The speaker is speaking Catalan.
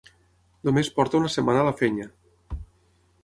Només porta una setmana a la feina.